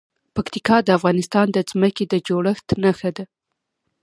پکتیکا د افغانستان د ځمکې د جوړښت نښه ده.